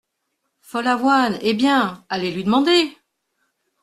Follavoine Eh ! bien, allez lui demander !